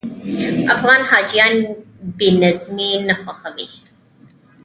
افغان حاجیان بې نظمي نه خوښوي.